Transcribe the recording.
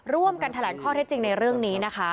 ร่วมกันแถลงข้อเท็จจริงในเรื่องนี้นะคะ